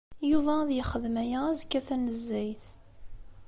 Yuba ad yexdem aya azekka tanezzayt.